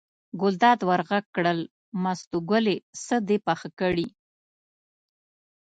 ګلداد ور غږ کړل: مستو ګلې څه دې پاخه کړي.